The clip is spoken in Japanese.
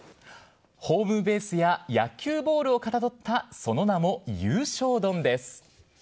ホームベースや野球ボールをかたどった、その名も優勝丼です。